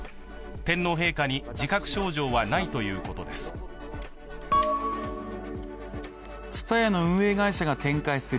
天皇陛下に自覚症状はないということです。